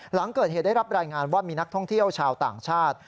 หลังเกิดเหตุได้รับรายงานว่ามีนักท่องเที่ยวชาวต่างชาติ